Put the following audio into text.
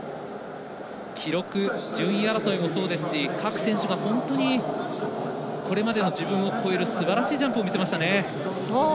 記録、順位争いもそうですし各選手が本当にこれまでの自分を超えるすばらしいジャンプを見せましたね。